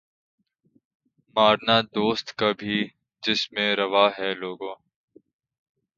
مارنا دوست کا بھی جس میں روا ہے لوگو